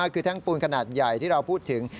คือแท่งปูนขนาดใหญ่ที่เราพูดถึง